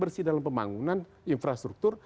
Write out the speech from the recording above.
bersih dalam pembangunan infrastruktur